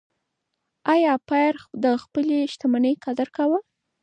ایا پییر د خپلې شتمنۍ قدر کاوه؟